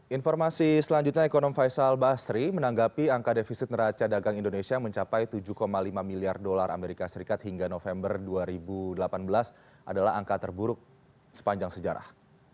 informasi selanjutnya ekonom faisal basri menanggapi angka defisit neraca dagang indonesia mencapai tujuh lima miliar dolar amerika serikat hingga november dua ribu delapan belas adalah angka terburuk sepanjang sejarah